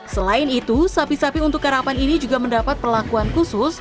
selain itu sapi sapi untuk karapan ini juga mendapat perlakuan khusus